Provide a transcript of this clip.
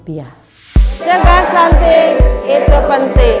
jaga stunting itu penting